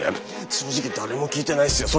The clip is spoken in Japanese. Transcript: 正直誰も聞いてないっすよ。